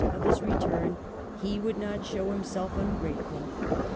of his return he would not show himself un grateful.